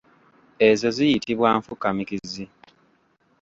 Ezo ziyitibwa nfukamikizi.